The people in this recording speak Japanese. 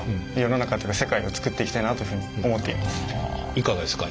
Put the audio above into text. いかがですか？